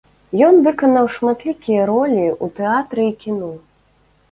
Ён выканаў шматлікія ролі ў тэатры і кіно.